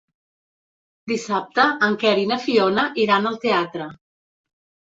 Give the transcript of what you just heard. Dissabte en Quer i na Fiona iran al teatre.